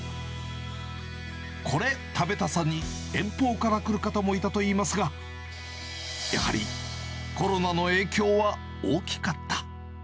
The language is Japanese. これ、食べたさに、遠方から来る方もいたといいますが、やはりコロナの影響は大きかった。